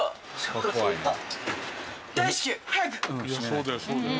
そうだよそうだよ。